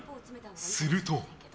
すると。